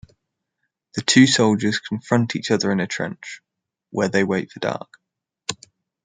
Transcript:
The two soldiers confront each other in a trench, where they wait for dark.